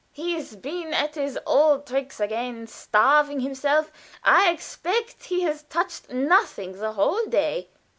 he's been at his old tricks again, starving himself. I expect he has touched nothing the whole day."